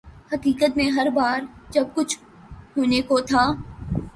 حقیقت میں ہر بار جب کچھ ہونے کو تھا۔